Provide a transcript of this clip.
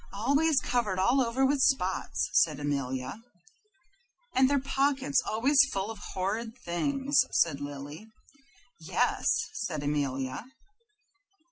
"Always covered all over with spots," said Amelia. "And their pockets always full of horrid things," said Lily. "Yes," said Amelia.